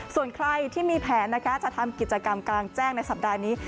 ส่วนใครที่มีแผนนะคะจะทำกิจกรรมกลางแจ้งในสัปดาห์นี้